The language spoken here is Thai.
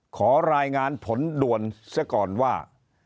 ขอรายงานผลด่วนเสียก่อนว่า